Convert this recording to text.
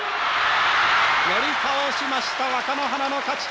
寄り倒しました若乃花の勝ち。